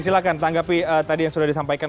silahkan tanggapi tadi yang sudah disampaikan